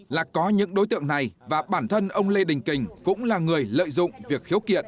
là có những đối tượng này và bản thân ông lê đình kình cũng là người lợi dụng việc khiếu kiện